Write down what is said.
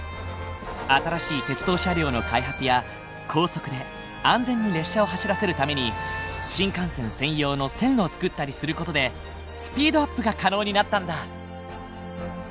新しい鉄道車両の開発や高速で安全に列車を走らせるために新幹線専用の線路を造ったりする事でスピードアップが可能になったんだ。